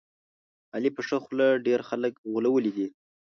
علي په ښه خوله ډېر خلک غولولي دي.